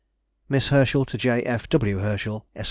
_] MISS HERSCHEL TO J. F. W. HERSCHEL, ESQ.